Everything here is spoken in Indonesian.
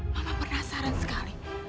mama penasaran sekali